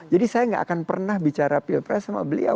jadi saya tidak akan pernah bicara pilpres sama beliau